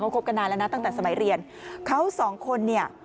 คบกันนานแล้วนะตั้งแต่สมัยเรียนเขาสองคนเนี่ย